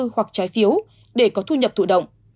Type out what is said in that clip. hoặc trái phiếu để có thu nhập thủ động